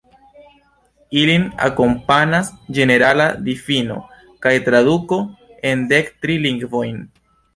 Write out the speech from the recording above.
Ilin akompanas ĝenerala difino kaj traduko en dek tri lingvojn.